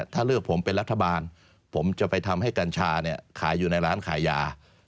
ถ้าเลือกผมเป็นรัฐบาลผมจะไปทำให้กัญชาเนี่ยขายอยู่ในร้านขายยา